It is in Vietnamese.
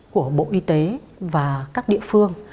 của bộ y tế và các địa phương